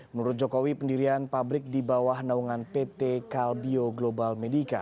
menurut jokowi pendirian pabrik di bawah naungan pt kalbio global medica